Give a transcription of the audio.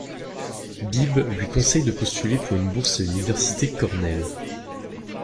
Beebe lui conseille de postuler pour une bourse à l’université Cornell.